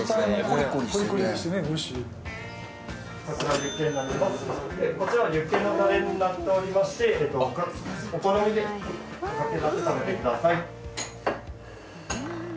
こちらユッケのたれになっておりましてお好みで食べてください。